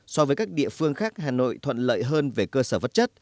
so với các địa phương khác hà nội thuận lợi hơn về cơ sở vật chất